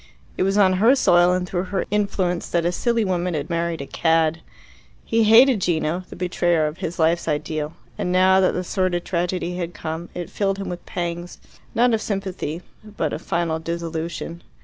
It was on her soil and through her influence that a silly woman had married a cad. He hated Gino, the betrayer of his life's ideal, and now that the sordid tragedy had come, it filled him with pangs, not of sympathy, but of final disillusion.